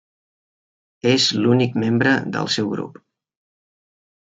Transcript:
És l'únic membre del seu grup.